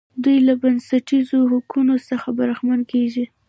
دوی له بنسټیزو حقوقو څخه برخمن کیږي.